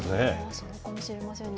そうかもしれませんね。